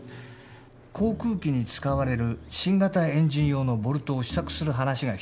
航空機に使われる新型エンジン用のボルトを試作する話が来ています。